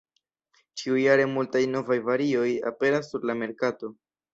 Ĉiujare multaj novaj varioj aperas sur la merkato.